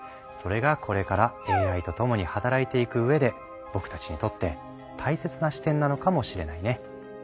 それがこれからＡＩと共に働いていくうえで僕たちにとって大切な視点なのかもしれないね。